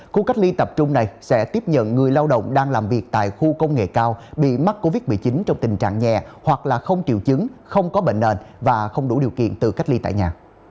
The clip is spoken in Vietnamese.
khu cách ly tập trung này sẽ tiếp nhận người lao động đang làm việc tại khu công nghệ cao bị mắc covid một mươi chín trong tình trạng nhẹ hoặc là không triệu chứng không có bệnh nền và không đủ điều kiện tự cách ly tại nhà